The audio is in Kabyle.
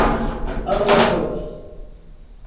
Arwaḥut!